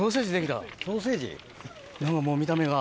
何かもう見た目が。